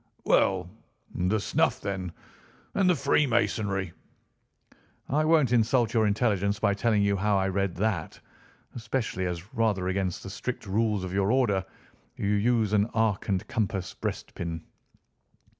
"Well, the snuff, then, and the Freemasonry?" "I won't insult your intelligence by telling you how I read that, especially as, rather against the strict rules of your order, you use an arc and compass breastpin."